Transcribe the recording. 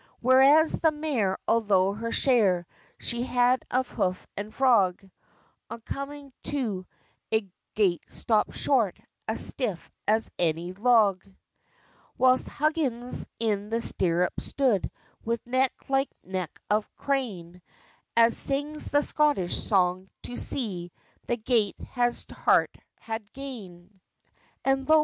Whereas the mare, altho' her share She had of hoof and frog, On coming to a gate stopped short As stiff as any log; Whilst Huggins in the stirrup stood With neck like neck of crane, As sings the Scottish song "to see The gate his hart had gane." And lo!